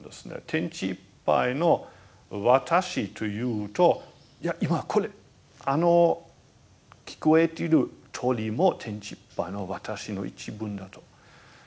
「天地いっぱいの私」というと今これあの聞こえている鳥も「天地いっぱいの私」の一部だと。